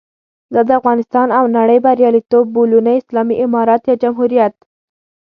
دا د افغانستان او نړۍ بریالیتوب بولو، نه اسلامي امارت یا جمهوریت.